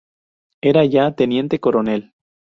Era ya teniente coronel.